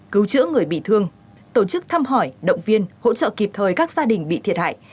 cứu chữa người bị thương tổ chức thăm hỏi động viên hỗ trợ kịp thời các gia đình bị thiệt hại